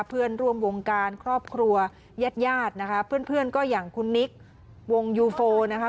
เพื่อนร่วมวงการครอบครัวยาดนะคะเพื่อนก็อย่างคุณนิกวงยูโฟนะคะ